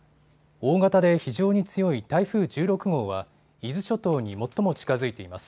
大型で非常に強い台風１６号は伊豆諸島に最も近づいています。